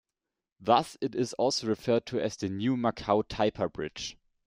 Thus it is also referred to as the New Macau-Taipa Bridge.